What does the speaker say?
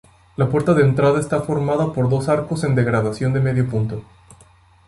La puerta de entrada está formada por dos arcos en degradación de medio punto.